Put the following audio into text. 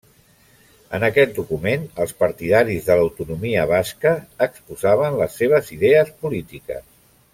En aquest document els partidaris de l'autonomia basca exposaven les seves idees polítiques.